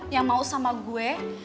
yang mau sama gue